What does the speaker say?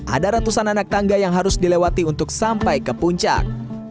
ada ratusan anak tangga yang harus dilewati untuk sampai ke puncak